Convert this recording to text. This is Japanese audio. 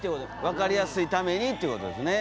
分かりやすいためにということですね。